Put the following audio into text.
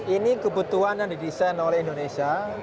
ini kebutuhan yang didesain oleh indonesia